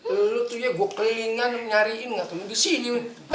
eh lo tuh ya gue kelingan nyariin gak temen disini